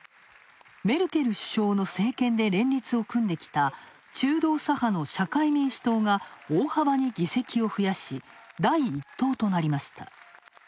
メルケル首相の政権で連立を組んできた中道左派の社会民主党が大幅に議席を増やし、第１党となりました。